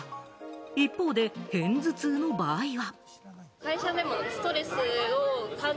一方で、片頭痛の場合は。